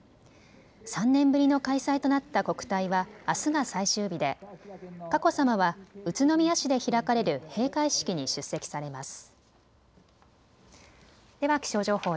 ３年ぶりの開催となった国体はあすが最終日で佳子さまは宇都宮市で開かれる閉会式に出席されます。